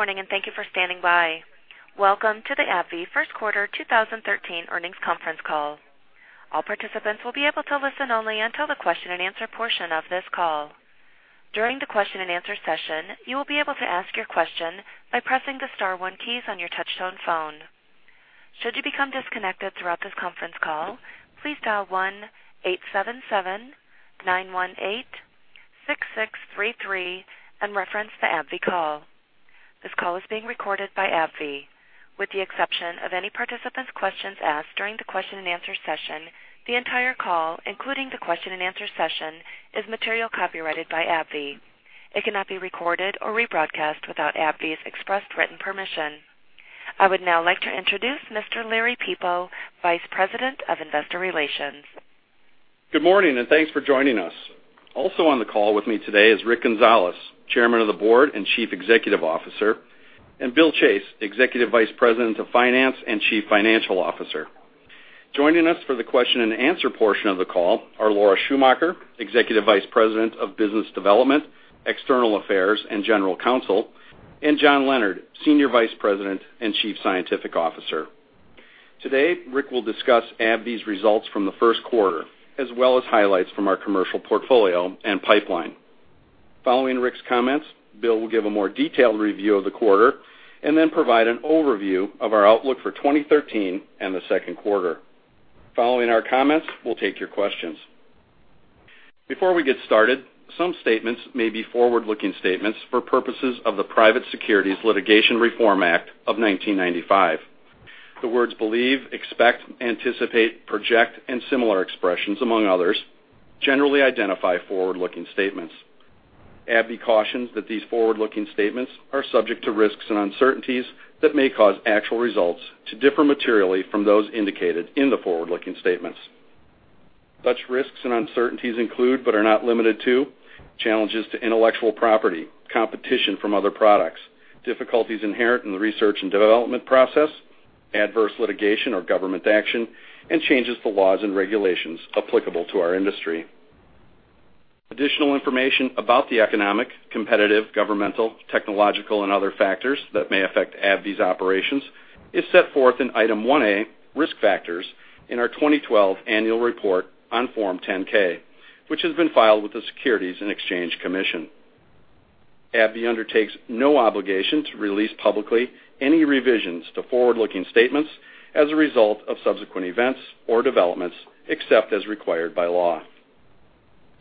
Good morning. Thank you for standing by. Welcome to the AbbVie First Quarter 2013 Earnings Conference Call. All participants will be able to listen only until the question and answer portion of this call. During the question and answer session, you will be able to ask your question by pressing the star one key on your touch-tone phone. Should you become disconnected throughout this conference call, please dial 1-877-918-6633 and reference the AbbVie call. This call is being recorded by AbbVie. With the exception of any participant's questions asked during the question and answer session, the entire call, including the question and answer session, is material copyrighted by AbbVie. It cannot be recorded or rebroadcast without AbbVie's express written permission. I would now like to introduce Mr. Larry Peepo, Vice President of Investor Relations. Good morning. Thanks for joining us. Also on the call with me today is Rick Gonzalez, Chairman of the Board and Chief Executive Officer, and Bill Chase, Executive Vice President of Finance and Chief Financial Officer. Joining us for the question and answer portion of the call are Laura Schumacher, Executive Vice President of Business Development, External Affairs, and General Counsel, and John Leonard, Senior Vice President and Chief Scientific Officer. Today, Rick will discuss AbbVie's results from the first quarter, as well as highlights from our commercial portfolio and pipeline. Following Rick's comments, Bill will give a more detailed review of the quarter and then provide an overview of our outlook for 2013 and the second quarter. Following our comments, we'll take your questions. Before we get started, some statements may be forward-looking statements for purposes of the Private Securities Litigation Reform Act of 1995. The words believe, expect, anticipate, project, and similar expressions, among others, generally identify forward-looking statements. AbbVie cautions that these forward-looking statements are subject to risks and uncertainties that may cause actual results to differ materially from those indicated in the forward-looking statements. Such risks and uncertainties include, but are not limited to, challenges to intellectual property, competition from other products, difficulties inherent in the research and development process, adverse litigation or government action, and changes to laws and regulations applicable to our industry. Additional information about the economic, competitive, governmental, technological, and other factors that may affect AbbVie's operations is set forth in Item 1A, Risk Factors, in our 2012 annual report on Form 10-K, which has been filed with the Securities and Exchange Commission. AbbVie undertakes no obligation to release publicly any revisions to forward-looking statements as a result of subsequent events or developments, except as required by law.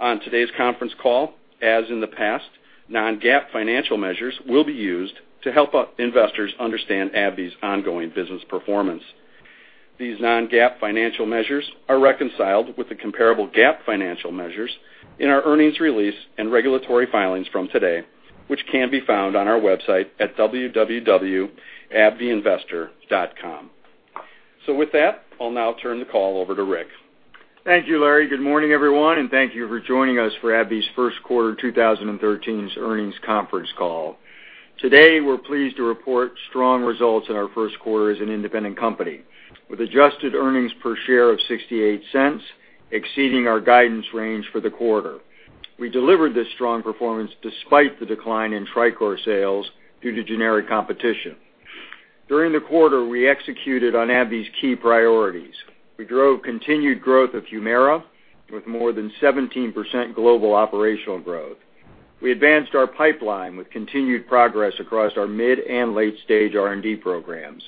On today's conference call, as in the past, non-GAAP financial measures will be used to help investors understand AbbVie's ongoing business performance. These non-GAAP financial measures are reconciled with the comparable GAAP financial measures in our earnings release and regulatory filings from today, which can be found on our website at www.abbvieinvestor.com. With that, I'll now turn the call over to Rick. Thank you, Larry. Good morning, everyone, and thank you for joining us for AbbVie's first quarter 2013 earnings conference call. Today, we're pleased to report strong results in our first quarter as an independent company with adjusted earnings per share of $0.68, exceeding our guidance range for the quarter. We delivered this strong performance despite the decline in TriCor sales due to generic competition. During the quarter, we executed on AbbVie's key priorities. We drove continued growth of HUMIRA with more than 17% global operational growth. We advanced our pipeline with continued progress across our mid and late-stage R&D programs.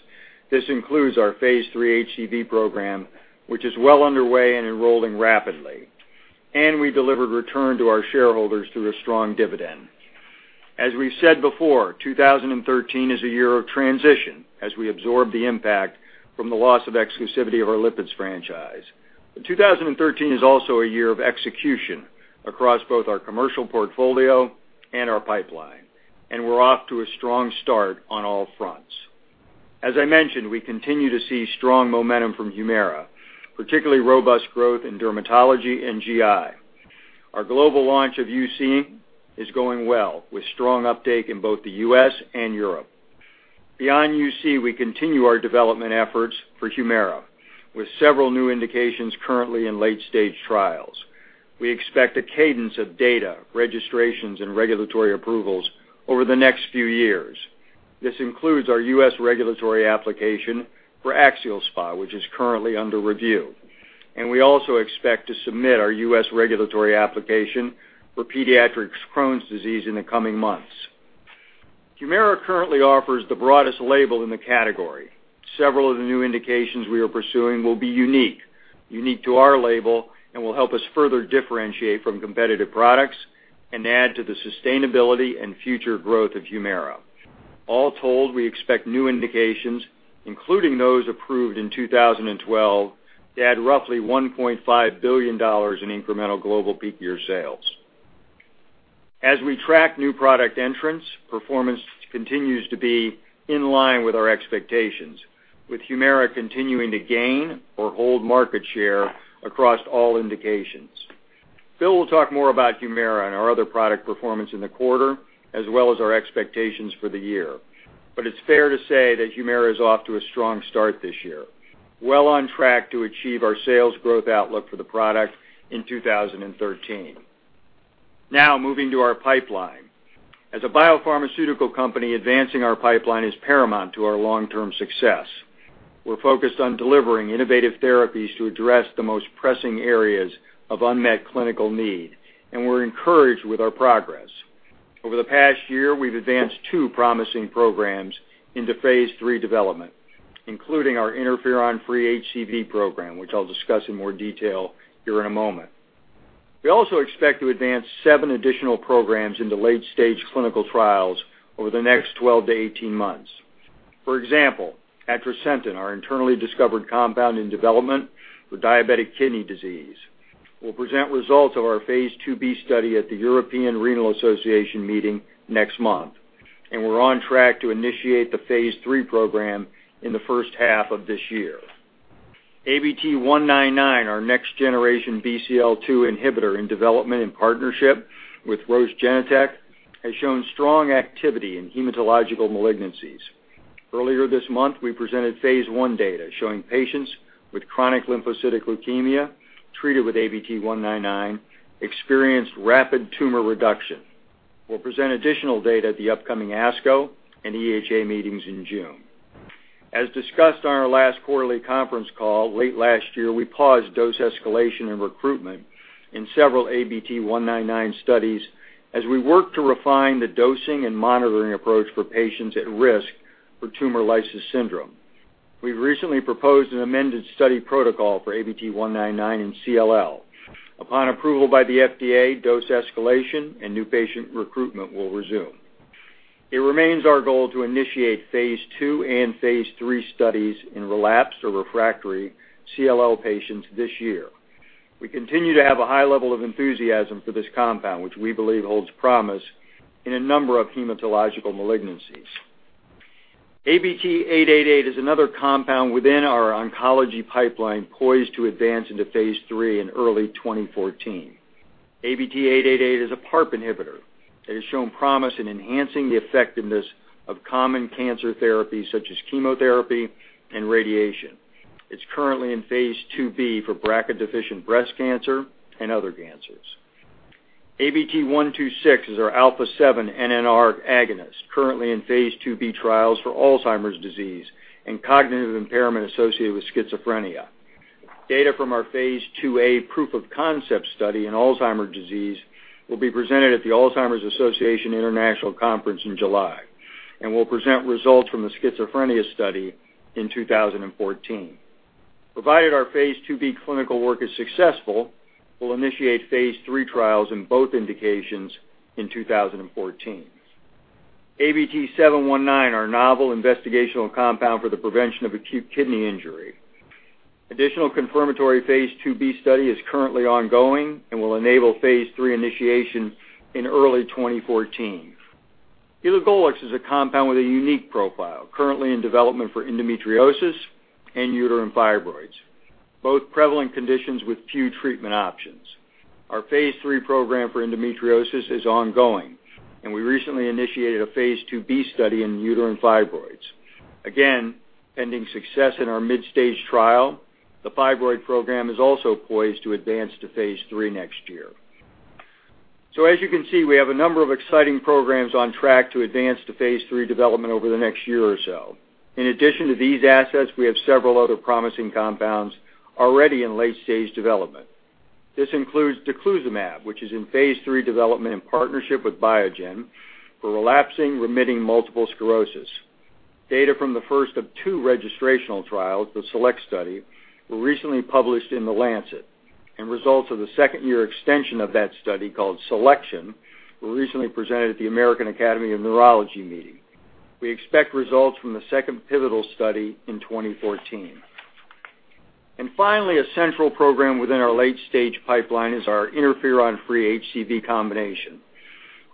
This includes our phase III HCV program, which is well underway and enrolling rapidly. We delivered return to our shareholders through a strong dividend. As we've said before, 2013 is a year of transition as we absorb the impact from the loss of exclusivity of our lipids franchise. 2013 is also a year of execution across both our commercial portfolio and our pipeline, and we're off to a strong start on all fronts. As I mentioned, we continue to see strong momentum from HUMIRA, particularly robust growth in dermatology and GI. Our global launch of UC is going well, with strong uptake in both the U.S. and Europe. Beyond UC, we continue our development efforts for HUMIRA, with several new indications currently in late-stage trials. We expect a cadence of data, registrations, and regulatory approvals over the next few years. This includes our U.S. regulatory application for axial SpA, which is currently under review. We also expect to submit our U.S. regulatory application for pediatrics Crohn's disease in the coming months. HUMIRA currently offers the broadest label in the category. Several of the new indications we are pursuing will be unique to our label, and will help us further differentiate from competitive products and add to the sustainability and future growth of HUMIRA. All told, we expect new indications, including those approved in 2012, to add roughly $1.5 billion in incremental global peak year sales. As we track new product entrants, performance continues to be in line with our expectations, with HUMIRA continuing to gain or hold market share across all indications. Bill will talk more about HUMIRA and our other product performance in the quarter, as well as our expectations for the year. It's fair to say that HUMIRA is off to a strong start this year, well on track to achieve our sales growth outlook for the product in 2013. Moving to our pipeline. As a biopharmaceutical company, advancing our pipeline is paramount to our long-term success. We're focused on delivering innovative therapies to address the most pressing areas of unmet clinical need, and we're encouraged with our progress. Over the past year, we've advanced two promising programs into phase III development, including our interferon-free HCV program, which I'll discuss in more detail here in a moment. We also expect to advance seven additional programs into late-stage clinical trials over the next 12 to 18 months. For example, atrasentan, our internally discovered compound in development for diabetic kidney disease. We'll present results of our phase II-B study at the European Renal Association meeting next month, and we're on track to initiate the phase III program in the first half of this year. ABT-199, our next-generation BCL-2 inhibitor in development in partnership with Genentech/Roche, has shown strong activity in hematological malignancies. Earlier this month, we presented phase I data showing patients with chronic lymphocytic leukemia treated with ABT-199 experienced rapid tumor reduction. We'll present additional data at the upcoming ASCO and EHA meetings in June. As discussed on our last quarterly conference call late last year, we paused dose escalation and recruitment in several ABT-199 studies as we work to refine the dosing and monitoring approach for patients at risk for tumor lysis syndrome. We've recently proposed an amended study protocol for ABT-199 in CLL. Upon approval by the FDA, dose escalation and new patient recruitment will resume. It remains our goal to initiate phase II and phase III studies in relapsed or refractory CLL patients this year. We continue to have a high level of enthusiasm for this compound, which we believe holds promise in a number of hematological malignancies. ABT-888 is another compound within our oncology pipeline poised to advance into phase III in early 2014. ABT-888 is a PARP inhibitor that has shown promise in enhancing the effectiveness of common cancer therapies such as chemotherapy and radiation. It's currently in phase II-B for BRCA deficient breast cancer and other cancers. ABT-126 is our α7 nAChR agonist, currently in phase II-B trials for Alzheimer's disease and cognitive impairment associated with schizophrenia. Data from our phase II-A proof of concept study in Alzheimer's disease will be presented at the Alzheimer's Association International Conference in July, and we'll present results from the schizophrenia study in 2014. Provided our phase II-B clinical work is successful, we'll initiate phase III trials in both indications in 2014. ABT-719, our novel investigational compound for the prevention of acute kidney injury. Additional confirmatory phase II-B study is currently ongoing and will enable phase III initiation in early 2014. Elagolix is a compound with a unique profile currently in development for endometriosis and uterine fibroids, both prevalent conditions with few treatment options. Our phase III program for endometriosis is ongoing, and we recently initiated a phase II-B study in uterine fibroids. Again, pending success in our mid-stage trial, the fibroid program is also poised to advance to phase III next year. As you can see, we have a number of exciting programs on track to advance to phase III development over the next year or so. In addition to these assets, we have several other promising compounds already in late-stage development. This includes daclizumab, which is in phase III development in partnership with Biogen for relapsing remitting multiple sclerosis. Data from the first of two registrational trials, the SELECT study, were recently published in The Lancet, and results of the second-year extension of that study, called SELECTION, were recently presented at the American Academy of Neurology meeting. We expect results from the second pivotal study in 2014. Finally, a central program within our late-stage pipeline is our interferon-free HCV combination.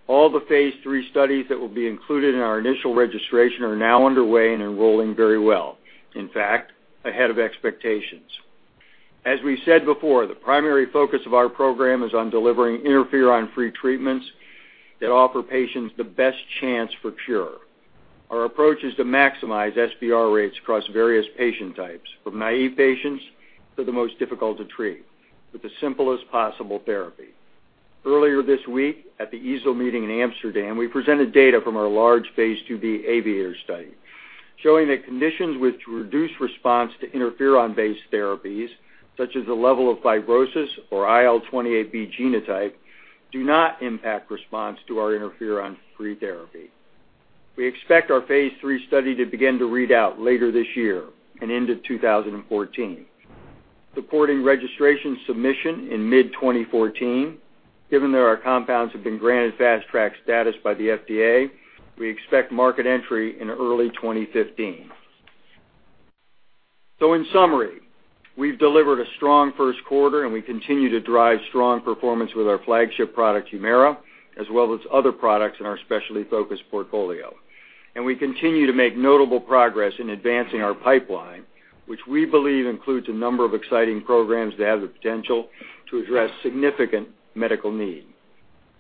All the phase III studies that will be included in our initial registration are now underway and enrolling very well, in fact, ahead of expectations. As we said before, the primary focus of our program is on delivering interferon-free treatments that offer patients the best chance for cure. Our approach is to maximize SVR rates across various patient types, from naive patients to the most difficult to treat, with the simplest possible therapy. Earlier this week, at the EASL meeting in Amsterdam, we presented data from our large phase II-B AVIATOR study showing that conditions which reduce response to interferon-based therapies, such as the level of fibrosis or IL28B genotype, do not impact response to our interferon-free therapy. We expect our phase III study to begin to read out later this year and into 2014, supporting registration submission in mid-2014. Given that our compounds have been granted fast track status by the FDA, we expect market entry in early 2015. In summary, we've delivered a strong first quarter and we continue to drive strong performance with our flagship product, HUMIRA, as well as other products in our specialty focus portfolio. We continue to make notable progress in advancing our pipeline, which we believe includes a number of exciting programs that have the potential to address significant medical need.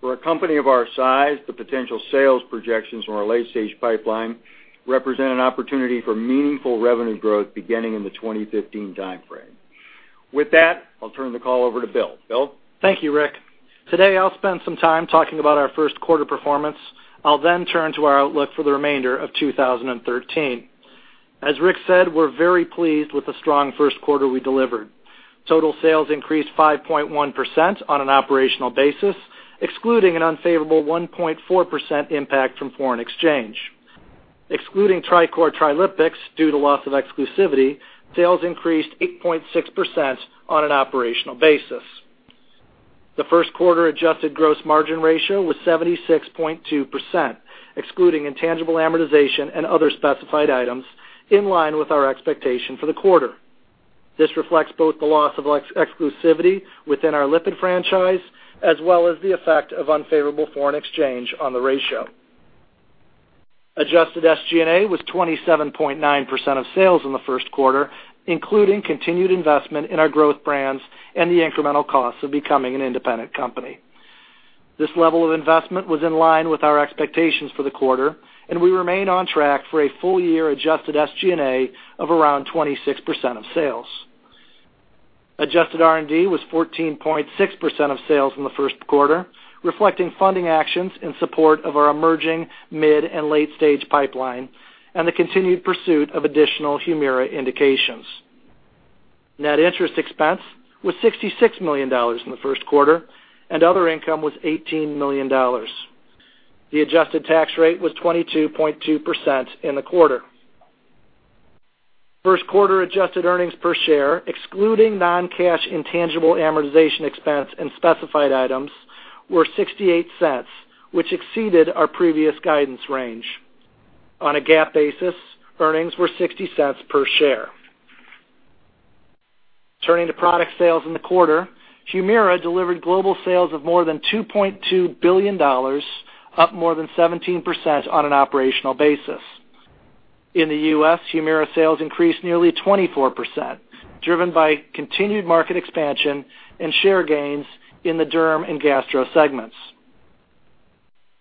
For a company of our size, the potential sales projections from our late-stage pipeline represent an opportunity for meaningful revenue growth beginning in the 2015 timeframe. With that, I'll turn the call over to Bill. Bill? Thank you, Rick. Today, I'll spend some time talking about our first quarter performance. I'll then turn to our outlook for the remainder of 2013. As Rick said, we're very pleased with the strong first quarter we delivered. Total sales increased 5.1% on an operational basis, excluding an unfavorable 1.4% impact from foreign exchange. Excluding TriCor, TRILIPIX, due to loss of exclusivity, sales increased 8.6% on an operational basis. The first quarter adjusted gross margin ratio was 76.2%, excluding intangible amortization and other specified items, in line with our expectation for the quarter. This reflects both the loss of exclusivity within our lipid franchise, as well as the effect of unfavorable foreign exchange on the ratio. Adjusted SG&A was 27.9% of sales in the first quarter, including continued investment in our growth brands and the incremental costs of becoming an independent company. This level of investment was in line with our expectations for the quarter. We remain on track for a full year adjusted SG&A of around 26% of sales. Adjusted R&D was 14.6% of sales in the first quarter, reflecting funding actions in support of our emerging mid and late-stage pipeline and the continued pursuit of additional HUMIRA indications. Net interest expense was $66 million in the first quarter. Other income was $18 million. The adjusted tax rate was 22.2% in the quarter. First quarter adjusted earnings per share, excluding non-cash intangible amortization expense and specified items, were $0.68, which exceeded our previous guidance range. On a GAAP basis, earnings were $0.60 per share. Turning to product sales in the quarter, HUMIRA delivered global sales of more than $2.2 billion, up more than 17% on an operational basis. In the U.S., HUMIRA sales increased nearly 24%, driven by continued market expansion and share gains in the derm and gastro segments.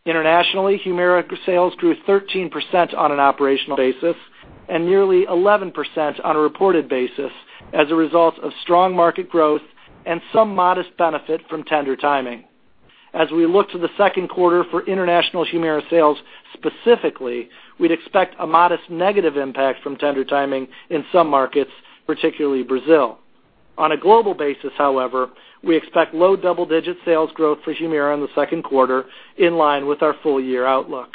Internationally, HUMIRA sales grew 13% on an operational basis and nearly 11% on a reported basis as a result of strong market growth and some modest benefit from tender timing. As we look to the second quarter for international HUMIRA sales, specifically, we'd expect a modest negative impact from tender timing in some markets, particularly Brazil. On a global basis, however, we expect low double-digit sales growth for HUMIRA in the second quarter, in line with our full-year outlook.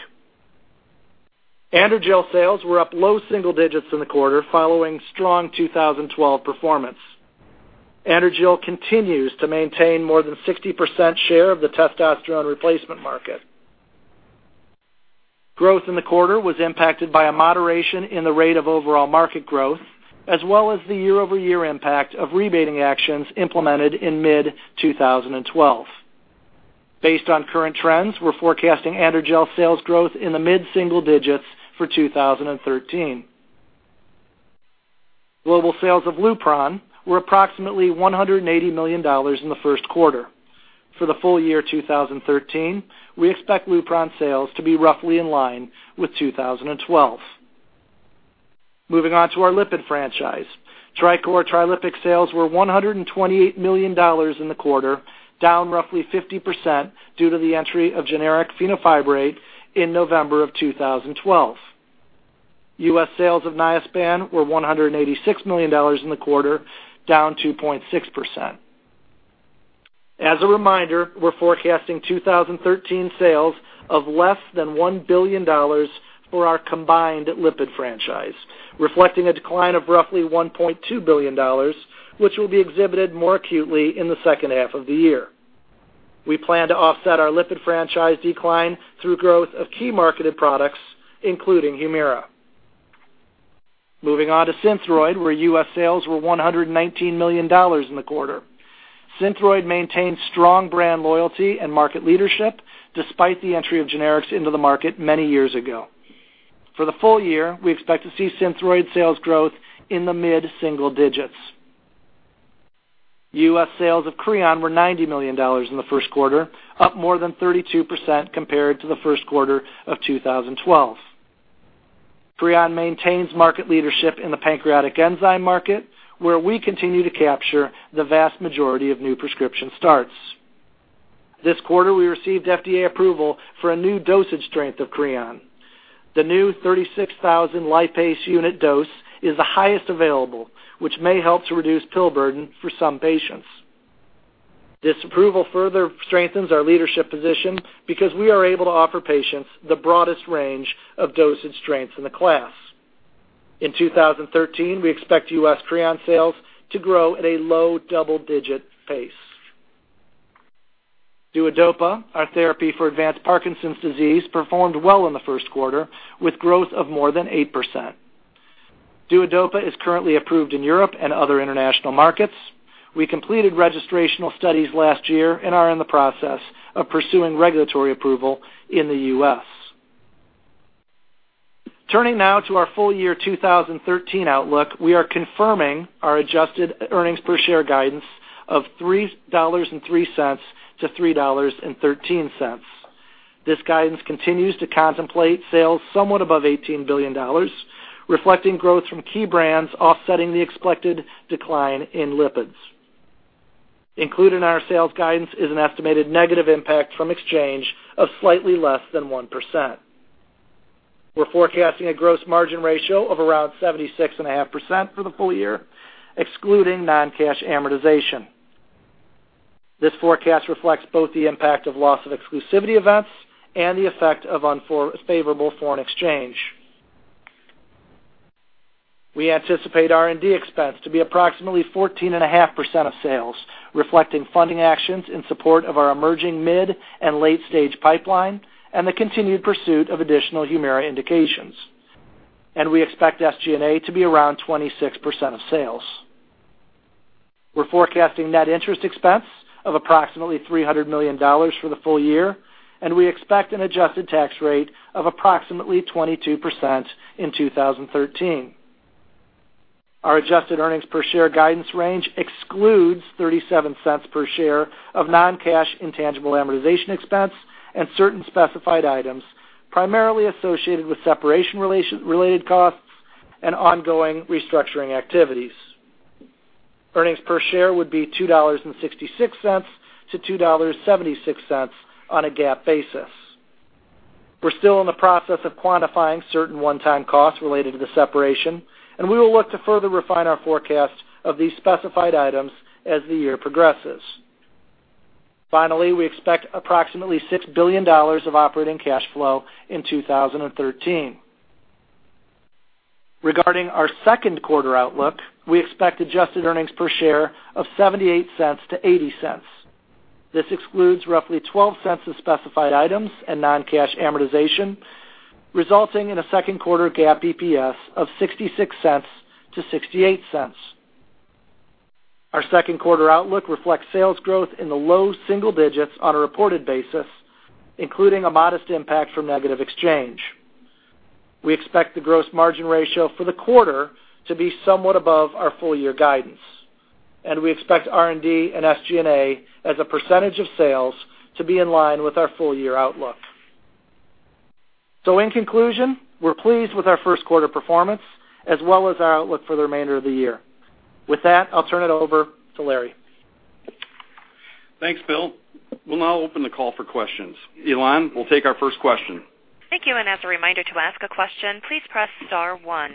AndroGel sales were up low single digits in the quarter following strong 2012 performance. AndroGel continues to maintain more than 60% share of the testosterone replacement market. Growth in the quarter was impacted by a moderation in the rate of overall market growth, as well as the year-over-year impact of rebating actions implemented in mid-2012. Based on current trends, we're forecasting AndroGel sales growth in the mid-single digits for 2013. Global sales of LUPRON were approximately $180 million in the first quarter. For the full year 2013, we expect LUPRON sales to be roughly in line with 2012. Moving on to our lipid franchise. TriCor, TRILIPIX sales were $128 million in the quarter, down roughly 50% due to the entry of generic fenofibrate in November of 2012. U.S. sales of Niaspan were $186 million in the quarter, down 2.6%. As a reminder, we're forecasting 2013 sales of less than $1 billion for our combined lipid franchise, reflecting a decline of roughly $1.2 billion, which will be exhibited more acutely in the second half of the year. We plan to offset our lipid franchise decline through growth of key marketed products, including HUMIRA. Moving on to SYNTHROID, where U.S. sales were $119 million in the quarter. SYNTHROID maintains strong brand loyalty and market leadership despite the entry of generics into the market many years ago. For the full year, we expect to see SYNTHROID sales growth in the mid-single digits. U.S. sales of CREON were $90 million in the first quarter, up more than 32% compared to the first quarter of 2012. CREON maintains market leadership in the pancreatic enzyme market, where we continue to capture the vast majority of new prescription starts. This quarter, we received FDA approval for a new dosage strength of CREON. The new 36,000 lipase unit dose is the highest available, which may help to reduce pill burden for some patients. In 2013, we expect U.S. CREON sales to grow at a low double-digit pace. DUODOPA, our therapy for advanced Parkinson's disease, performed well in the first quarter, with growth of more than 8%. DUODOPA is currently approved in Europe and other international markets. We completed registrational studies last year and are in the process of pursuing regulatory approval in the U.S. Turning now to our full year 2013 outlook, we are confirming our adjusted earnings per share guidance of $3.03 to $3.13. This guidance continues to contemplate sales somewhat above $18 billion, reflecting growth from key brands offsetting the expected decline in lipids. Included in our sales guidance is an estimated negative impact from exchange of slightly less than 1%. We're forecasting a gross margin ratio of around 76.5% for the full year, excluding non-cash amortization. This forecast reflects both the impact of loss of exclusivity events and the effect of unfavorable foreign exchange. We anticipate R&D expense to be approximately 14.5% of sales, reflecting funding actions in support of our emerging mid and late-stage pipeline and the continued pursuit of additional HUMIRA indications. We expect SG&A to be around 26% of sales. We're forecasting net interest expense of approximately $300 million for the full year, and we expect an adjusted tax rate of approximately 22% in 2013. Our adjusted earnings per share guidance range excludes $0.37 per share of non-cash intangible amortization expense and certain specified items primarily associated with separation-related costs and ongoing restructuring activities. Earnings per share would be $2.66-$2.76 on a GAAP basis. We're still in the process of quantifying certain one-time costs related to the separation, and we will look to further refine our forecast of these specified items as the year progresses. Finally, we expect approximately $6 billion of operating cash flow in 2013. Regarding our second quarter outlook, we expect adjusted earnings per share of $0.78-$0.80. This excludes roughly $0.12 of specified items and non-cash amortization, resulting in a second quarter GAAP EPS of $0.66-$0.68. Our second quarter outlook reflects sales growth in the low single digits on a reported basis, including a modest impact from negative exchange. We expect the gross margin ratio for the quarter to be somewhat above our full-year guidance, and we expect R&D and SG&A as a percentage of sales to be in line with our full-year outlook. In conclusion, we're pleased with our first quarter performance as well as our outlook for the remainder of the year. With that, I'll turn it over to Larry. Thanks, Bill. We'll now open the call for questions. Elan, we'll take our first question. Thank you. As a reminder to ask a question, please press star one.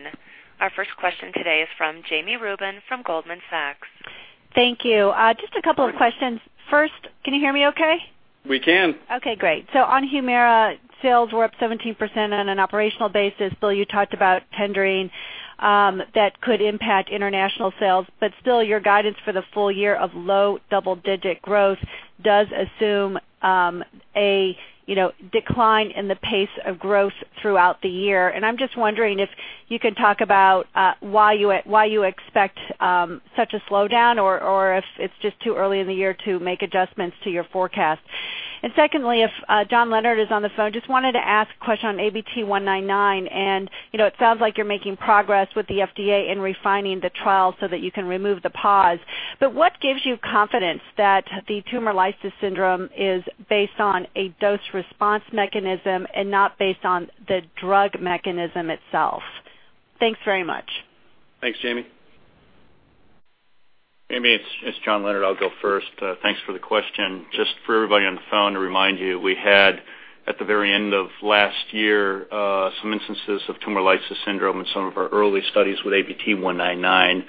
Our first question today is from Jami Rubin from Goldman Sachs. Thank you. Just a couple of questions. First, can you hear me okay? We can. Okay, great. On HUMIRA, sales were up 17% on an operational basis. Bill, you talked about tendering that could impact international sales, still your guidance for the full year of low double-digit growth does assume a decline in the pace of growth throughout the year. I'm just wondering if you can talk about why you expect such a slowdown or if it's just too early in the year to make adjustments to your forecast. Secondly, if John Leonard is on the phone, just wanted to ask a question on ABT-199. It sounds like you're making progress with the FDA in refining the trial so that you can remove the pause, but what gives you confidence that the tumor lysis syndrome is based on a dose-response mechanism and not based on the drug mechanism itself? Thanks very much. Thanks, Jami. Jami, it's John Leonard. I'll go first. Thanks for the question. Just for everybody on the phone to remind you, we had at the very end of last year, some instances of tumor lysis syndrome in some of our early studies with ABT-199.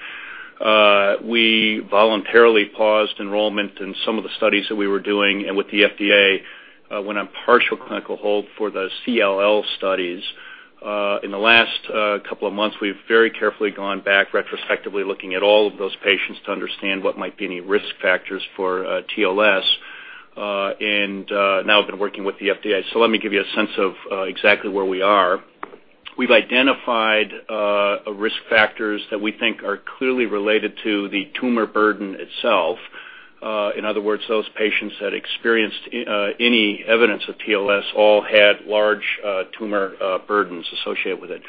We voluntarily paused enrollment in some of the studies that we were doing with the FDA, went on partial clinical hold for the CLL studies. In the last couple of months, we've very carefully gone back retrospectively looking at all of those patients to understand what might be any risk factors for TLS, and now have been working with the FDA. Let me give you a sense of exactly where we are. We've identified risk factors that we think are clearly related to the tumor burden itself. In other words, those patients that experienced any evidence of TLS all had large tumor burdens associated with it.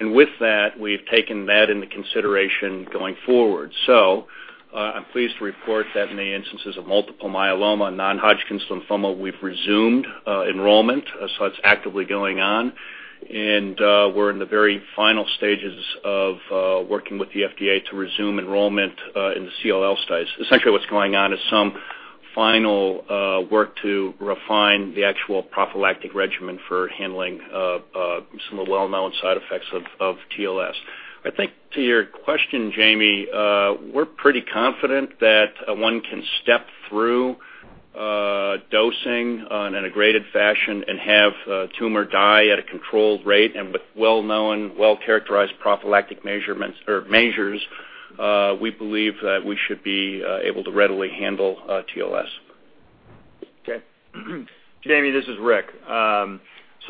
With that, we've taken that into consideration going forward. I'm pleased to report that in the instances of multiple myeloma and non-Hodgkin's lymphoma, we've resumed enrollment. It's actively going on. We're in the very final stages of working with the FDA to resume enrollment in the CLL studies. Essentially what's going on is some final work to refine the actual prophylactic regimen for handling some of the well-known side effects of TLS. I think to your question, Jami, we're pretty confident that one can step through dosing in a graded fashion and have a tumor die at a controlled rate and with well-known, well-characterized prophylactic measures, we believe that we should be able to readily handle TLS. Okay. Jami, this is Rick.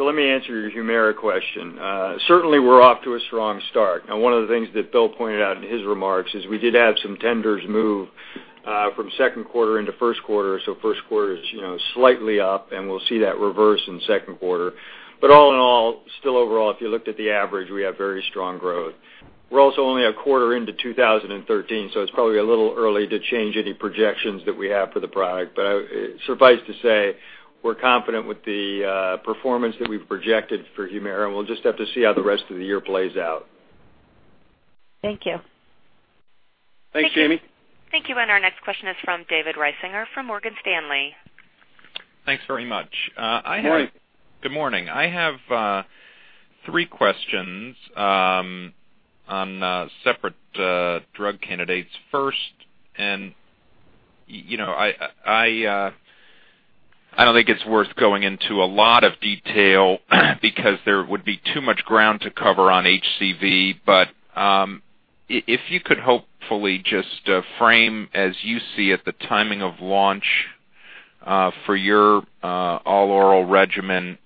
Let me answer your HUMIRA question. Certainly, we're off to a strong start. Now, one of the things that Bill pointed out in his remarks is we did have some tenders move from second quarter into first quarter. First quarter is slightly up, and we'll see that reverse in the second quarter. All in all, still overall, if you looked at the average, we have very strong growth. We're also only a quarter into 2013, so it's probably a little early to change any projections that we have for the product. Suffice to say, we're confident with the performance that we've projected for HUMIRA, and we'll just have to see how the rest of the year plays out. Thank you. Thanks, Jami. Thank you. Our next question is from David Risinger, from Morgan Stanley. Thanks very much. Good morning. Good morning. I have three questions on separate drug candidates. First, I don't think it's worth going into a lot of detail because there would be too much ground to cover on HCV. If you could hopefully just frame, as you see it, the timing of launch for your all-oral regimen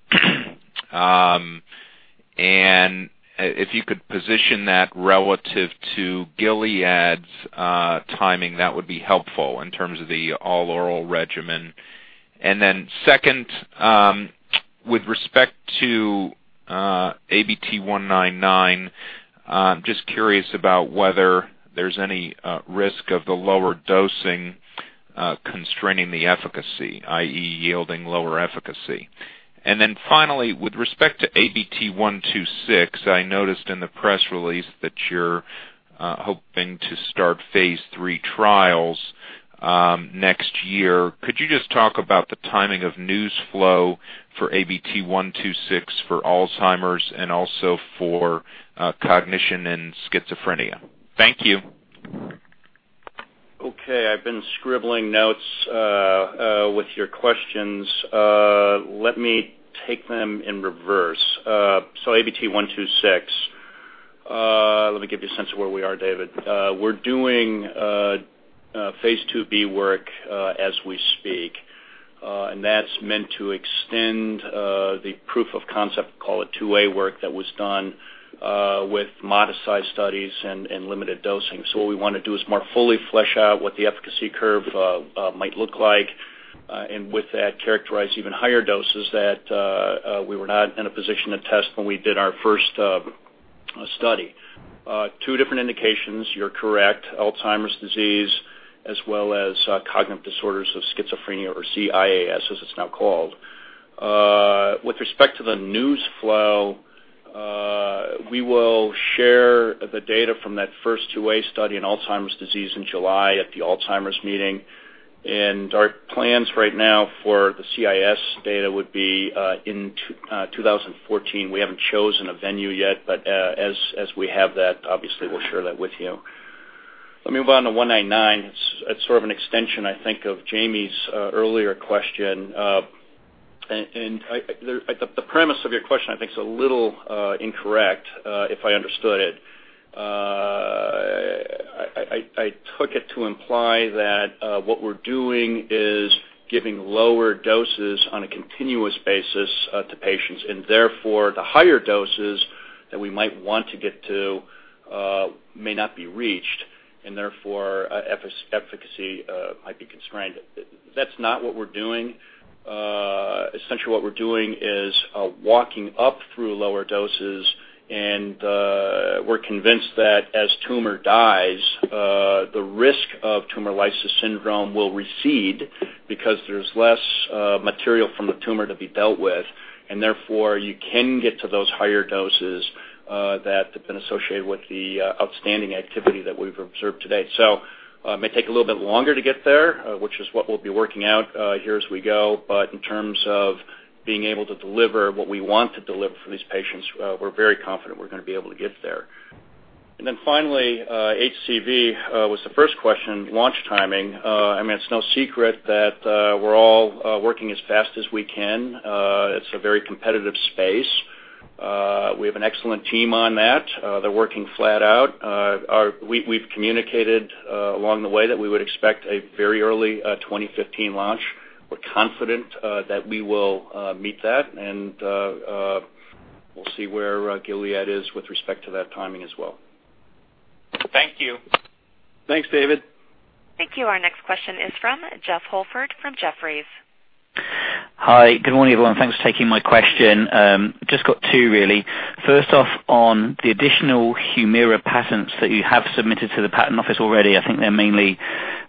and if you could position that relative to Gilead's timing, that would be helpful in terms of the all-oral regimen. Second, with respect to ABT-199, just curious about whether there's any risk of the lower dosing constraining the efficacy, i.e., yielding lower efficacy. Finally, with respect to ABT-126, I noticed in the press release that you're hoping to start phase III trials next year. Could you just talk about the timing of news flow for ABT-126 for Alzheimer's and also for cognition and schizophrenia? Thank you. Okay. I've been scribbling notes with your questions. Let me take them in reverse. ABT-126. Let me give you a sense of where we are, David. We're doing phase II-B work as we speak, and that's meant to extend the proof of concept, call it II-A work, that was done with modest size studies and limited dosing. What we want to do is more fully flesh out what the efficacy curve might look like, and with that, characterize even higher doses that we were not in a position to test when we did our first study. Two different indications, you're correct, Alzheimer's disease as well as cognitive disorders of schizophrenia or CIAS as it's now called. With respect to the news flow, we will share the data from that first II-A study in Alzheimer's disease in July at the Alzheimer's meeting. Our plans right now for the CIAS data would be in 2014. We haven't chosen a venue yet, but as we have that, obviously we'll share that with you. Let me move on to ABT-199. It's sort of an extension, I think, of Jami's earlier question. The premise of your question I think, is a little incorrect, if I understood it. I took it to imply that what we're doing is giving lower doses on a continuous basis to patients, and therefore, the higher doses that we might want to get to may not be reached, and therefore efficacy might be constrained. That's not what we're doing. Essentially what we're doing is walking up through lower doses, and we're convinced that as tumor dies, the risk of tumor lysis syndrome will recede because there's less material from the tumor to be dealt with, and therefore you can get to those higher doses that have been associated with the outstanding activity that we've observed to date. It may take a little bit longer to get there, which is what we'll be working out here as we go. In terms of being able to deliver what we want to deliver for these patients, we're very confident we're going to be able to get there. Finally, HCV was the first question, launch timing. It's no secret that we're all working as fast as we can. It's a very competitive space. We have an excellent team on that. They're working flat out. We've communicated along the way that we would expect a very early 2015 launch. We're confident that we will meet that, and we'll see where Gilead is with respect to that timing as well. Thank you. Thanks, David. Thank you. Our next question is from Jeff Holford from Jefferies. Hi. Good morning, everyone. Thanks for taking my question. Just got two, really. First off, on the additional Humira patents that you have submitted to the patent office already, I think they're mainly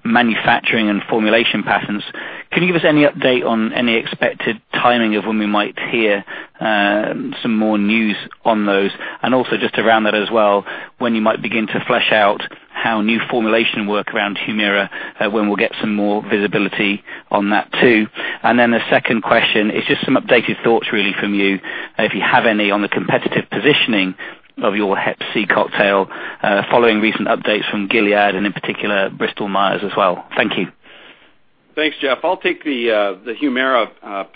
manufacturing and formulation patents. Can you give us any update on any expected timing of when we might hear some more news on those? Also just around that as well, when you might begin to flesh out how new formulation work around Humira, when we'll get some more visibility on that, too. The second question is just some updated thoughts really from you, if you have any, on the competitive positioning of your Hep C cocktail following recent updates from Gilead, and in particular Bristol-Myers as well. Thank you. Thanks, Jeff. I'll take the Humira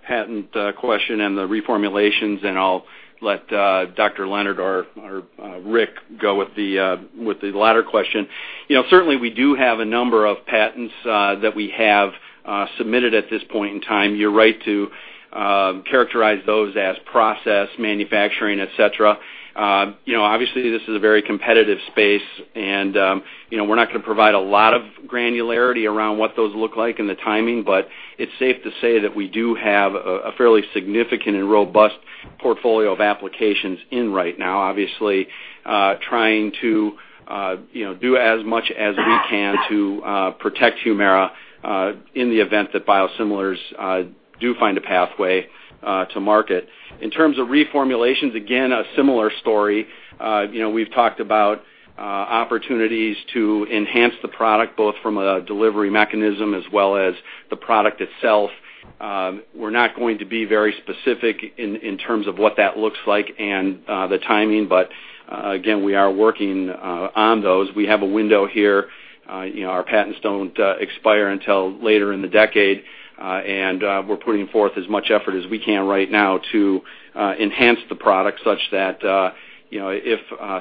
patent question and the reformulations, and I'll let Dr. Leonard or Rick go with the latter question. Certainly we do have a number of patents that we have submitted at this point in time. You're right to characterize those as process manufacturing, et cetera. Obviously, this is a very competitive space, and we're not going to provide a lot of granularity around what those look like and the timing. It's safe to say that we do have a fairly significant and robust portfolio of applications in right now, obviously trying to do as much as we can to protect Humira in the event that biosimilars do find a pathway to market. In terms of reformulations, again, a similar story. We've talked about opportunities to enhance the product, both from a delivery mechanism as well as the product itself. We're not going to be very specific in terms of what that looks like and the timing, again, we are working on those. We have a window here. Our patents don't expire until later in the decade, we're putting forth as much effort as we can right now to enhance the product such that if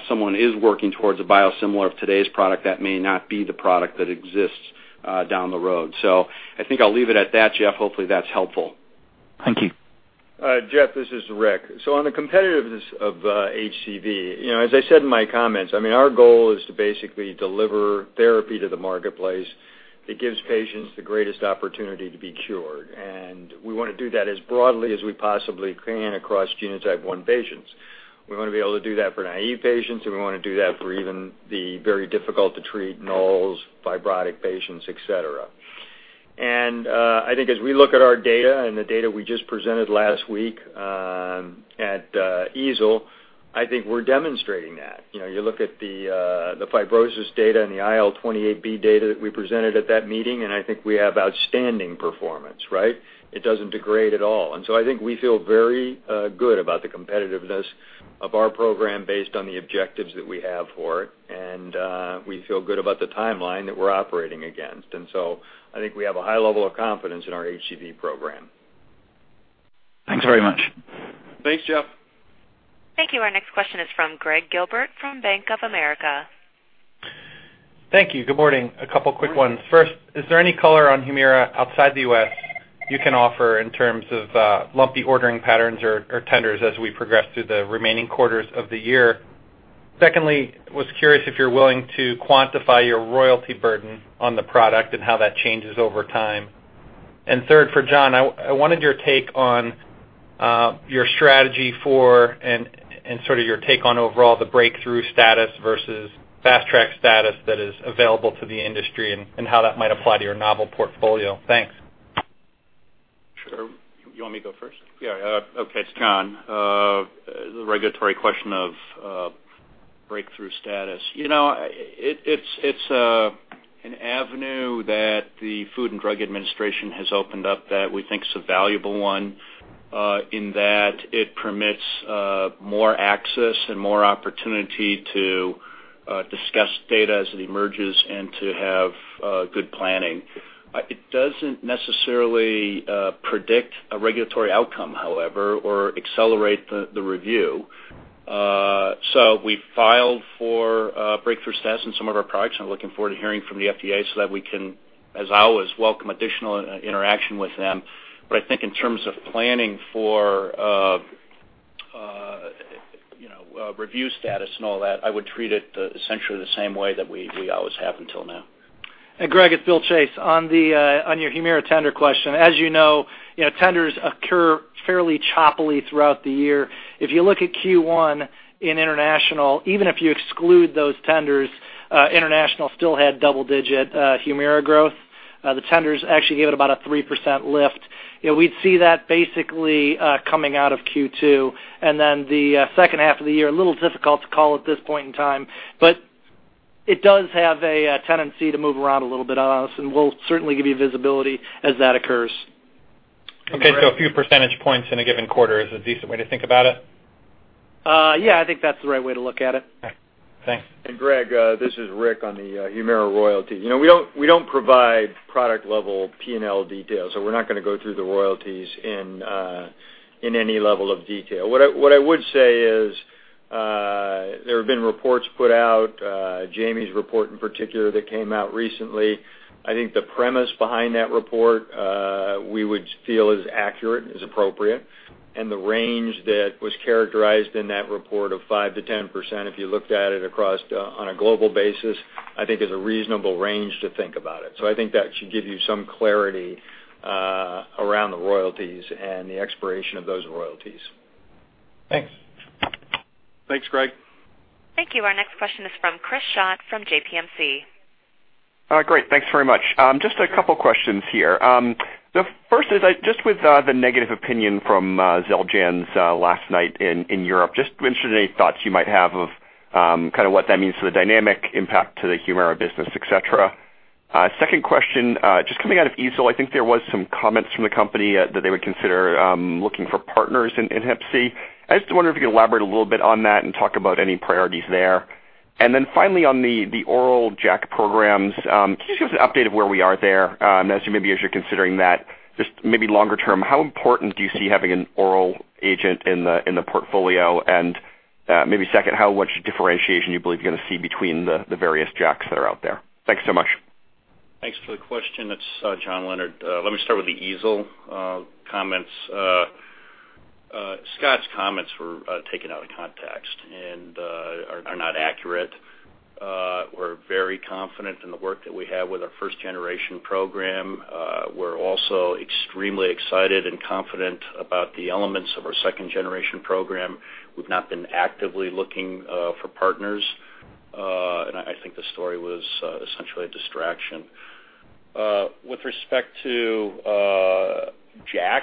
someone is working towards a biosimilar of today's product, that may not be the product that exists down the road. I think I'll leave it at that, Jeff. Hopefully that's helpful. Thank you. Jeff, this is Rick. On the competitiveness of HCV, as I said in my comments, our goal is to basically deliver therapy to the marketplace that gives patients the greatest opportunity to be cured. We want to do that as broadly as we possibly can across genotype one patients. We want to be able to do that for naive patients, and we want to do that for even the very difficult-to-treat nulls, fibrotic patients, et cetera. I think as we look at our data and the data we just presented last week at EASL, I think we're demonstrating that. You look at the fibrosis data and the IL28B data that we presented at that meeting, I think we have outstanding performance, right? It doesn't degrade at all. I think we feel very good about the competitiveness of our program based on the objectives that we have for it, we feel good about the timeline that we're operating against. I think we have a high level of confidence in our HCV program. Thanks very much. Thanks, Jeff. Thank you. Our next question is from Greg Gilbert from Bank of America. Thank you. Good morning. A couple quick ones. First, is there any color on HUMIRA outside the U.S. you can offer in terms of lumpy ordering patterns or tenders as we progress through the remaining quarters of the year? Secondly, was curious if you're willing to quantify your royalty burden on the product and how that changes over time. Third, for John, I wanted your take on your strategy for and sort of your take on overall the breakthrough status versus fast track status that is available to the industry and how that might apply to your novel portfolio. Thanks. Sure. You want me to go first? Yeah. Okay, it's John. The regulatory question of breakthrough status. It's an avenue that the Food and Drug Administration has opened up that we think is a valuable one, in that it permits more access and more opportunity to discuss data as it emerges and to have good planning. It doesn't necessarily predict a regulatory outcome, however, or accelerate the review. We filed for breakthrough status in some of our products and are looking forward to hearing from the FDA so that we can, as always, welcome additional interaction with them. I think in terms of planning for review status and all that, I would treat it essentially the same way that we always have until now. Greg, it's Bill Chase. On your HUMIRA tender question, as you know, tenders occur fairly choppily throughout the year. If you look at Q1 in international, even if you exclude those tenders, international still had double-digit HUMIRA growth. The tenders actually gave it about a 3% lift. We'd see that basically coming out of Q2. The second half of the year, a little difficult to call at this point in time. It does have a tendency to move around a little bit on us, and we'll certainly give you visibility as that occurs. Okay, a few percentage points in a given quarter is a decent way to think about it? Yeah, I think that's the right way to look at it. Okay. Thanks. Greg, this is Rick on the HUMIRA royalty. We don't provide product-level P&L details, we're not going to go through the royalties in any level of detail. I would say there have been reports put out, Jami's report in particular, that came out recently. I think the premise behind that report we would feel is accurate, is appropriate. The range that was characterized in that report of 5%-10%, if you looked at it across on a global basis, I think is a reasonable range to think about it. I think that should give you some clarity around the royalties and the expiration of those royalties. Thanks. Thanks, Greg. Thank you. Our next question is from Chris Schott from JPMorgan. Great. Thanks very much. Just a couple of questions here. The first is just with the negative opinion from Xeljanz last night in Europe, just interested any thoughts you might have of what that means to the dynamic impact to the HUMIRA business, et cetera. Second question, just coming out of EASL, I think there was some comments from the company that they would consider looking for partners in hep C. I just wonder if you can elaborate a little bit on that and talk about any priorities there. Then finally on the oral JAK programs, can you just give us an update of where we are there? As you maybe as you're considering that, just maybe longer term, how important do you see having an oral agent in the portfolio? Maybe second, how much differentiation you believe you're going to see between the various JAKs that are out there? Thanks so much. Thanks for the question. It's John Leonard. Let me start with the EASL comments. Scott's comments were taken out of context and are not accurate. We're very confident in the work that we have with our first-generation program. We're also extremely excited and confident about the elements of our second-generation program. We've not been actively looking for partners. I think the story was essentially a distraction. With respect to JAK,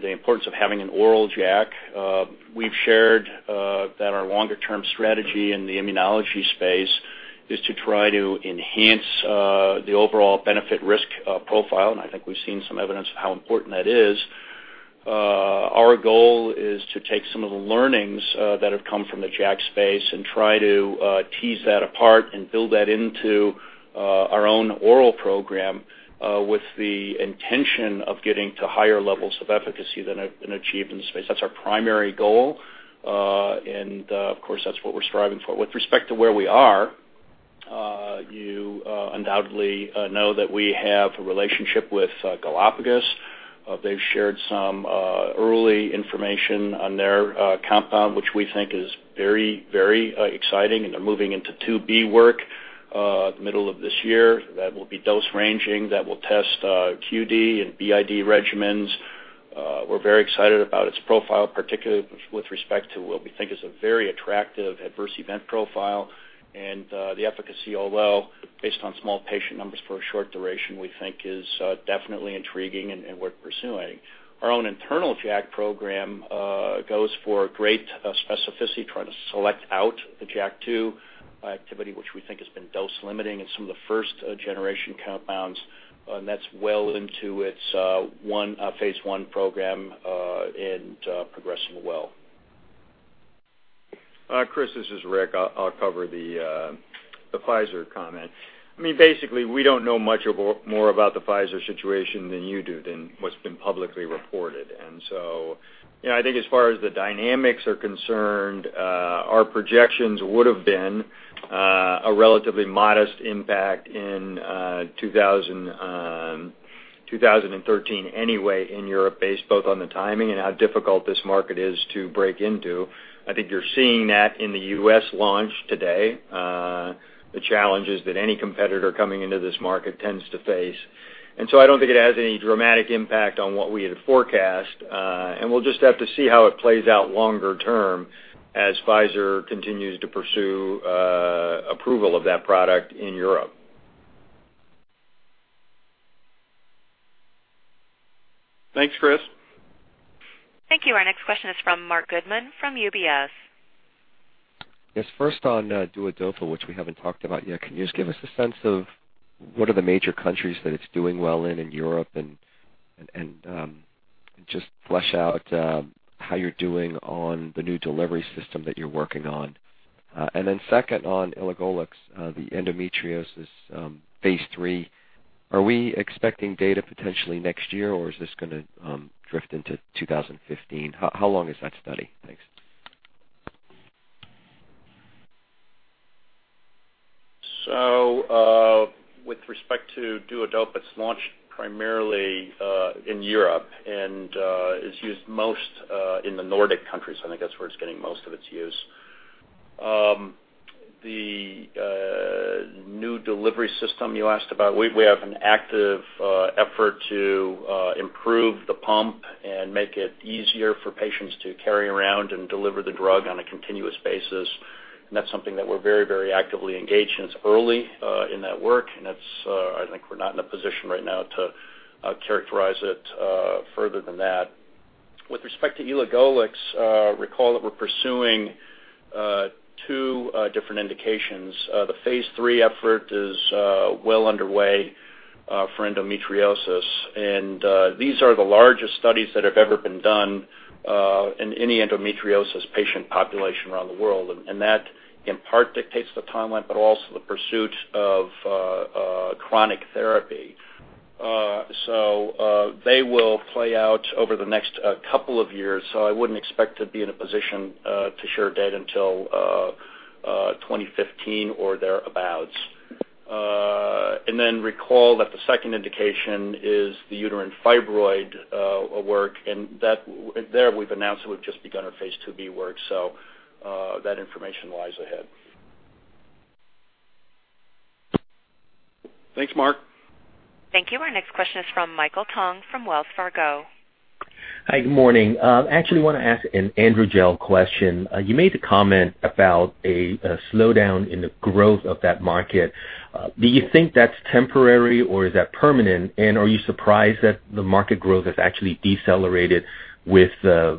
the importance of having an oral JAK, we've shared that our longer-term strategy in the immunology space is to try to enhance the overall benefit-risk profile, and I think we've seen some evidence of how important that is. Our goal is to take some of the learnings that have come from the JAK space and try to tease that apart and build that into our own oral program with the intention of getting to higher levels of efficacy than achieved in the space. That's our primary goal. Of course, that's what we're striving for. With respect to where we are, you undoubtedly know that we have a relationship with Galapagos. They've shared some early information on their compound, which we think is very exciting, and they're moving into phase II-B work the middle of this year. That will be dose ranging, that will test QD and BID regimens. We're very excited about its profile, particularly with respect to what we think is a very attractive adverse event profile. The efficacy, although based on small patient numbers for a short duration, we think is definitely intriguing and worth pursuing. Our own internal JAK program goes for great specificity trying to select out the JAK2 activity, which we think has been dose limiting in some of the first-generation compounds, and that's well into its phase I program and progressing well. Chris, this is Rick. I'll cover the Pfizer comment. Basically, we don't know much more about the Pfizer situation than you do, than what's been publicly reported. I think as far as the dynamics are concerned, our projections would've been a relatively modest impact in 2013 anyway in Europe, based both on the timing and how difficult this market is to break into. I think you're seeing that in the U.S. launch today, the challenges that any competitor coming into this market tends to face. I don't think it has any dramatic impact on what we had forecast. We'll just have to see how it plays out longer term as Pfizer continues to pursue approval of that product in Europe. Thanks, Chris. Thank you. Our next question is from Marc Goodman from UBS. Yes. First on DUODOPA, which we haven't talked about yet. Can you just give us a sense of what are the major countries that it's doing well in in Europe? Just flesh out how you're doing on the new delivery system that you're working on. Second on elagolix, the endometriosis phase III, are we expecting data potentially next year, or is this going to drift into 2015? How long is that study? Thanks. With respect to DUODOPA, it's launched primarily in Europe and is used most in the Nordic countries. I think that's where it's getting most of its use. The new delivery system you asked about, we have an active effort to improve the pump and make it easier for patients to carry around and deliver the drug on a continuous basis. That's something that we're very actively engaged in. It's early in that work, and I think we're not in a position right now to characterize it further than that. With respect to elagolix, recall that we're pursuing two different indications. The phase III effort is well underway for endometriosis, and these are the largest studies that have ever been done in any endometriosis patient population around the world. That in part dictates the timeline, but also the pursuit of chronic therapy. They will play out over the next couple of years. I wouldn't expect to be in a position to share data until 2015 or thereabouts. Recall that the second indication is the uterine fibroid work, and there we've announced that we've just begun our phase II-B work, that information lies ahead. Thanks, Marc. Thank you. Our next question is from Michael Tong from Wells Fargo. Hi, good morning. Actually want to ask an AndroGel question. You made the comment about a slowdown in the growth of that market. Do you think that's temporary, or is that permanent? Are you surprised that the market growth has actually decelerated with a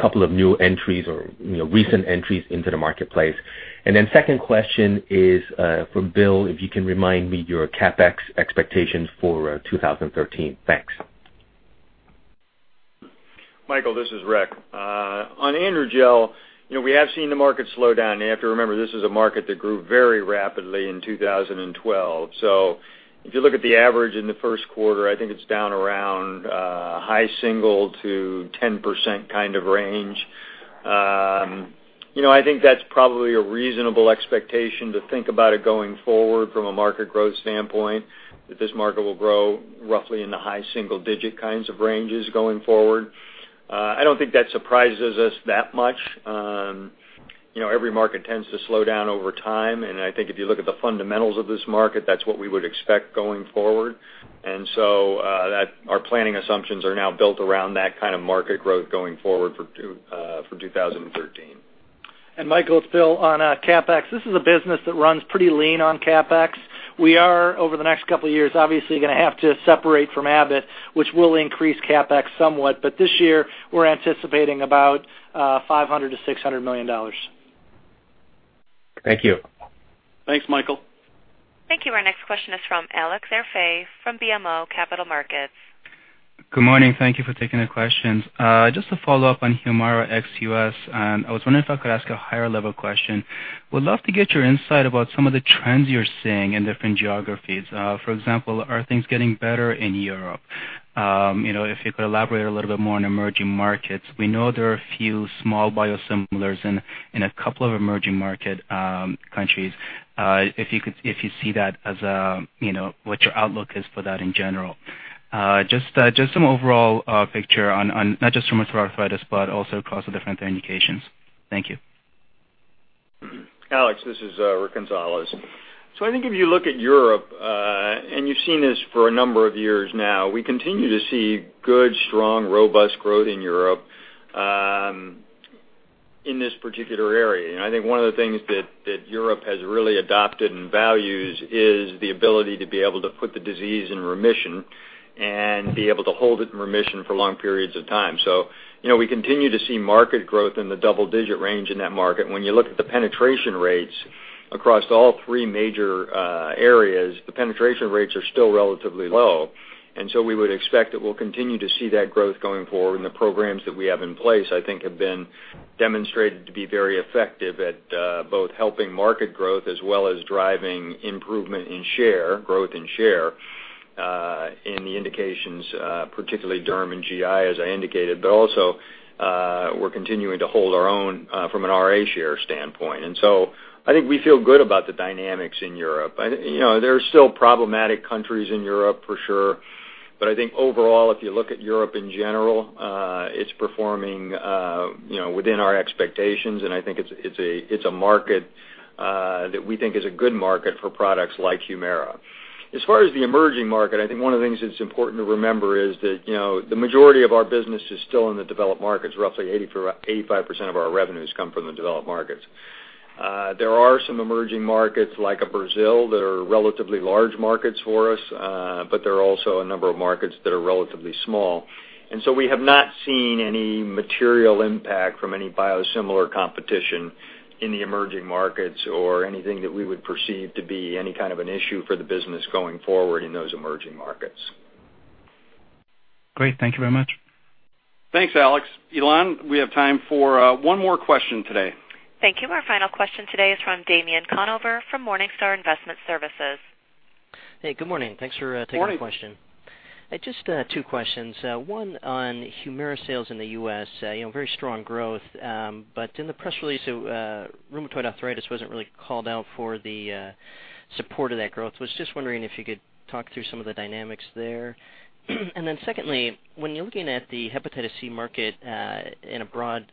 couple of new entries or recent entries into the marketplace? Second question is for Bill, if you can remind me your CapEx expectations for 2013. Thanks. Michael, this is Rick. On AndroGel, we have seen the market slow down. You have to remember this is a market that grew very rapidly in 2012. If you look at the average in the first quarter, I think it's down around high single to 10% kind of range. I think that's probably a reasonable expectation to think about it going forward from a market growth standpoint, that this market will grow roughly in the high single-digit kinds of ranges going forward. Our planning assumptions are now built around that kind of market growth going forward for 2013. Michael, it's Bill. On CapEx, this is a business that runs pretty lean on CapEx. We are, over the next couple of years, obviously gonna have to separate from Abbott, which will increase CapEx somewhat. This year, we're anticipating about $500 million-$600 million. Thank you. Thanks, Michael. Thank you. Our next question is from Alex Arfaei from BMO Capital Markets. Good morning. Thank you for taking the questions. Just to follow up on HUMIRA ex U.S., I was wondering if I could ask a higher level question. Would love to get your insight about some of the trends you're seeing in different geographies. For example, are things getting better in Europe? If you could elaborate a little bit more on emerging markets. We know there are a few small biosimilars in a couple of emerging market countries. If you see that as what your outlook is for that in general. Just some overall picture on, not just rheumatoid arthritis, but also across the different indications. Thank you. Alex, this is Rick Gonzalez. I think if you look at Europe, you've seen this for a number of years now, we continue to see good, strong, robust growth in Europe in this particular area. I think one of the things that Europe has really adopted and values is the ability to be able to put the disease in remission and be able to hold it in remission for long periods of time. We continue to see market growth in the double-digit range in that market. When you look at the penetration rates across all three major areas, the penetration rates are still relatively low, we would expect that we'll continue to see that growth going forward. The programs that we have in place, I think, have been demonstrated to be very effective at both helping market growth as well as driving improvement in share in the indications, particularly derm and GI, as I indicated. Also, we're continuing to hold our own from an RA share standpoint. So I think we feel good about the dynamics in Europe. There are still problematic countries in Europe for sure. I think overall, if you look at Europe in general, it's performing within our expectations, and I think it's a market that we think is a good market for products like HUMIRA. As far as the emerging market, I think one of the things that's important to remember is that the majority of our business is still in the developed markets. Roughly 85% of our revenues come from the developed markets. There are some emerging markets like Brazil that are relatively large markets for us. There are also a number of markets that are relatively small. We have not seen any material impact from any biosimilar competition in the emerging markets or anything that we would perceive to be any kind of an issue for the business going forward in those emerging markets. Great. Thank you very much. Thanks, Alex. Elan, we have time for one more question today. Thank you. Our final question today is from Damien Conover from Morningstar Investment Services. Hey, good morning. Thanks for taking the question. Morning. Just two questions. One on HUMIRA sales in the U.S., very strong growth. In the press release, rheumatoid arthritis wasn't really called out for the support of that growth. Was just wondering if you could talk through some of the dynamics there. Secondly, when you're looking at the hepatitis C market in a broad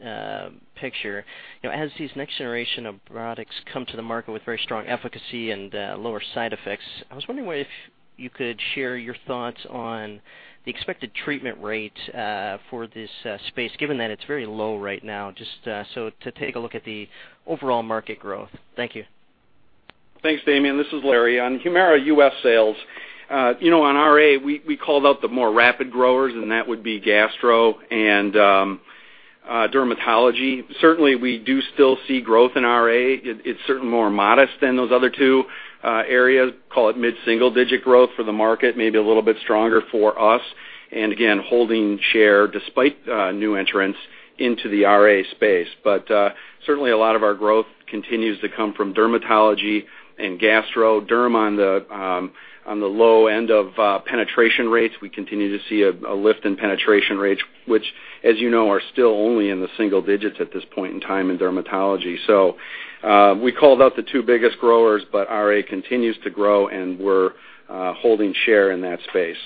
picture, as these next generation of products come to the market with very strong efficacy and lower side effects, I was wondering if you could share your thoughts on the expected treatment rate for this space, given that it is very low right now, just so to take a look at the overall market growth. Thank you. Thanks, Damien. This is Larry. On HUMIRA U.S. sales, on RA, we called out the more rapid growers, that would be gastro and dermatology. Certainly, we do still see growth in RA. It is certainly more modest than those other two areas, call it mid-single digit growth for the market, maybe a little bit stronger for us. Again, holding share despite new entrants into the RA space. Certainly, a lot of our growth continues to come from dermatology and gastro. Derm on the low end of penetration rates. We continue to see a lift in penetration rates, which, as you know, are still only in the single digits at this point in time in dermatology. We called out the two biggest growers, RA continues to grow, and we're holding share in that space.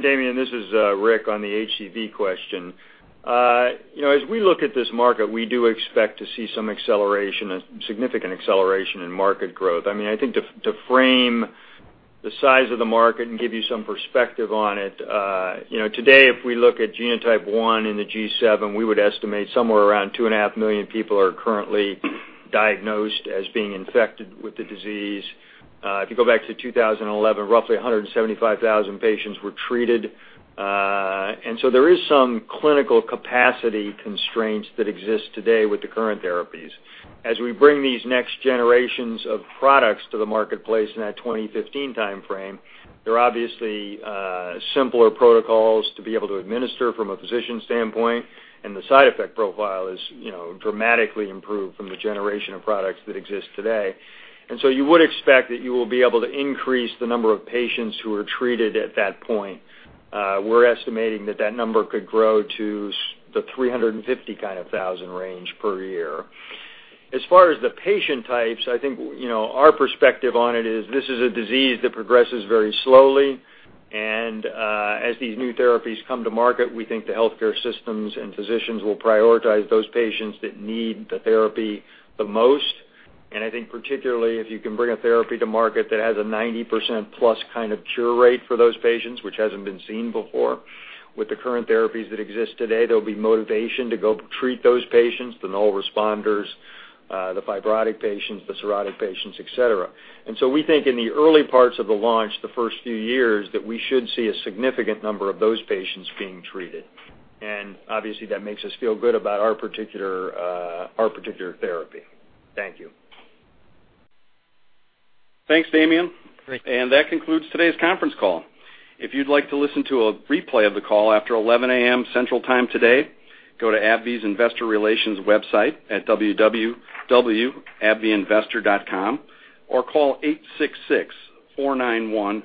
Damien, this is Rick on the HCV question. As we look at this market, we do expect to see some significant acceleration in market growth. I think to frame the size of the market and give you some perspective on it, today, if we look at genotype 1 in the G7, we would estimate somewhere around 2.5 million people are currently diagnosed as being infected with the disease. If you go back to 2011, roughly 175,000 patients were treated. There is some clinical capacity constraints that exist today with the current therapies. As we bring these next generations of products to the marketplace in that 2015 timeframe, they're obviously simpler protocols to be able to administer from a physician standpoint, and the side effect profile is dramatically improved from the generation of products that exist today. You would expect that you will be able to increase the number of patients who are treated at that point. We're estimating that that number could grow to the 350,000 kind of range per year. As far as the patient types, I think our perspective on it is this is a disease that progresses very slowly, and as these new therapies come to market, we think the healthcare systems and physicians will prioritize those patients that need the therapy the most. I think particularly if you can bring a therapy to market that has a 90%+ kind of cure rate for those patients, which hasn't been seen before. With the current therapies that exist today, there'll be motivation to go treat those patients, the null responders, the fibrotic patients, the cirrhotic patients, et cetera. We think in the early parts of the launch, the first few years, that we should see a significant number of those patients being treated. Obviously, that makes us feel good about our particular therapy. Thank you. Thanks, Damien. Great. That concludes today's conference call. If you'd like to listen to a replay of the call after 11:00 A.M. Central Time today, go to abbvieinvestor.com or call 866-491-2936,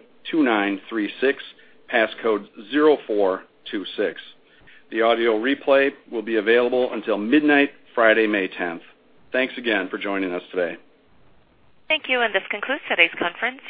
passcode 0426. The audio replay will be available until midnight, Friday, May 10th. Thanks again for joining us today. Thank you, and this concludes today's conference.